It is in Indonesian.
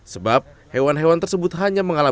sebab hewan hewan tersebut hanya mengalami